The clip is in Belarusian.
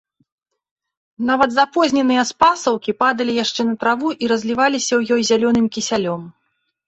Нават запозненыя спасаўкі падалі яшчэ на траву і разліваліся ў ёй зялёным кісялём.